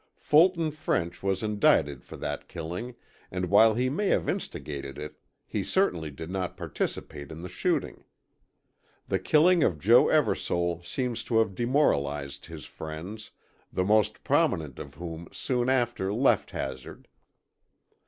Fulton French was indicted for that killing, and while he may have instigated it, he certainly did not participate in the shooting. The killing of Joe Eversole seems to have demoralized his friends, the most prominent of whom soon after left Hazard.